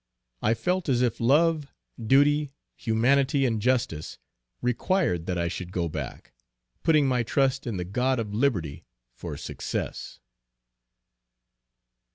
I felt as if love, duty, humanity and justice, required that I should go back, putting my trust in the God of Liberty for success.